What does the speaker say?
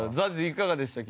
ＺＡＺＹいかがでした？